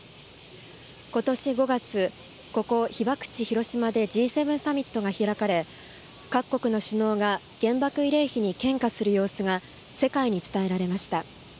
今年５月ここ被爆地、広島でＧ７サミットが開かれ各国の首脳が原爆慰霊碑に献花する様子が世界に伝えられました。